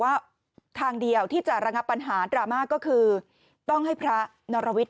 ว่าทางเดียวที่จะระงับปัญหาดราม่าก็คือต้องให้พระนรวิทย